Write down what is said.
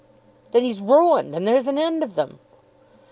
"Then he's ruined, and there's an end of them."